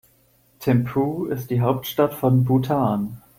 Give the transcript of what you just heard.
Thimphu ist die Hauptstadt von Bhutan.